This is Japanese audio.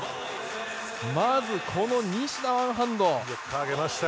まず、西田のワンハンド。